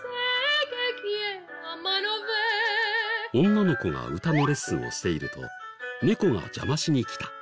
女の子が歌のレッスンをしていると猫が邪魔しに来た。